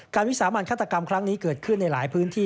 วิสามันฆาตกรรมครั้งนี้เกิดขึ้นในหลายพื้นที่